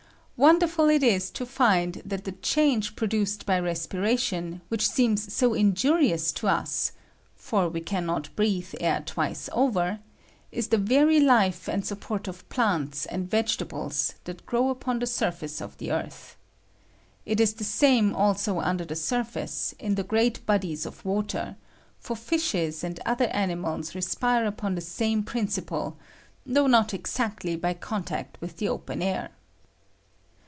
Wonder ful is it to find that the change produced by respiration, which seems so injurious to ue (for we can not breathe air twice over), is the very life and support of plants and vegetables that grQw upon the surface of the earth. It is the same also under the surface, in the great bodies of water; for fishes and other animals respire upon the same principle, though not exactly by contact with the open air.